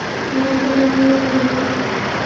یہاں کی زمین میں تیل بھی ہے